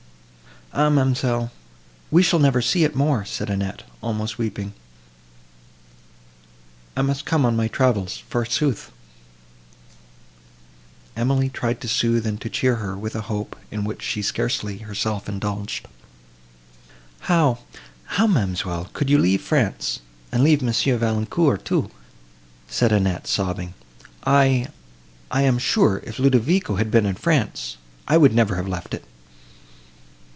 "Ah, ma'amselle! we shall never see it more!" said Annette, almost weeping.—"I must come on my travels, forsooth!" Emily tried to sooth and to cheer her, with a hope, in which she scarcely herself indulged. "How—how, ma'amselle, could you leave France, and leave Mons. Valancourt, too?" said Annette, sobbing. "I—I—am sure, if Ludovico had been in France, I would never have left it."